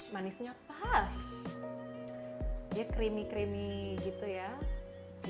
manisnya pas dia creamy creamy gitu ya